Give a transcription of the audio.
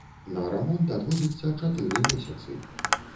На рамонт адводзіцца чатыры месяцы.